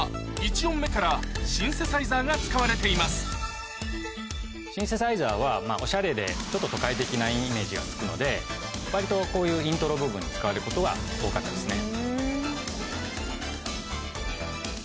１音目からシンセサイザーが使われていますシンセサイザーはおしゃれでちょっと都会的なイメージがつくので割とこういうイントロ部分に使われることが多かったですね。